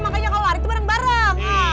makanya kalau lari tuh bareng bareng